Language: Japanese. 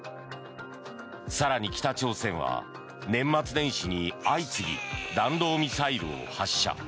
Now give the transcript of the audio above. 更に、北朝鮮は年末年始に相次ぎ弾道ミサイルを発射。